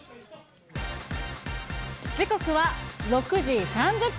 時刻は６時３０分。